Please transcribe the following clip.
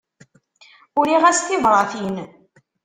Uriɣ-as tibratin.